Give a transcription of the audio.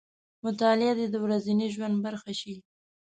مطالعه دې د ورځني ژوند برخه شي.